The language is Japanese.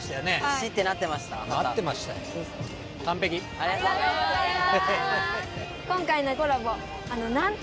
ありがとうございます！